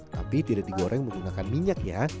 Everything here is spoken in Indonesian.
tapi tidak digoreng menggunakan minyak ya